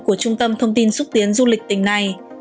của trung tâm thông tin xúc tiến du lịch tỉnh này